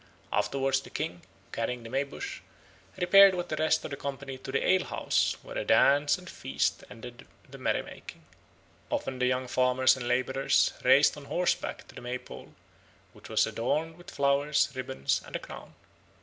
Afterwards the king, carrying the May bush, repaired with the rest of the company to the alehouse, where a dance and a feast ended the merry making. Often the young farmers and labourers raced on horseback to the May pole, which was adorned with flowers, ribbons, and a crown.